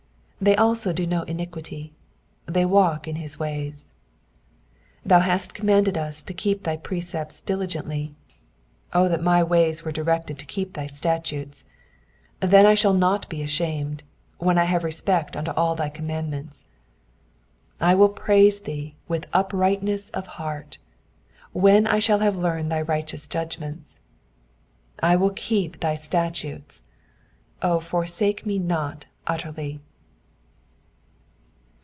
3 They also do no iniquity : they walk in his ways. 4 Thou hast commanded us to keep thy precepts diligently. 5 O that my ways were directed to keep thy statutes ! 6 Then shall I not be ashamed, when I have respect unto all thy commandments. 7 I will praise thee with uprightness of heart, when I shall have learned thy righteous judgments. 8 I will keep thy statutes : O forsake me not utterly.